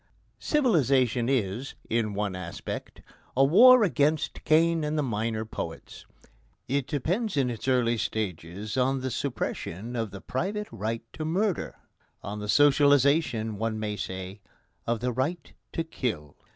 Civilisation is, in one aspect, a war against Cain and the minor poets. It depends in its early stages on the suppression of the private right to murder on the socialisation, one may say, of the right to kill.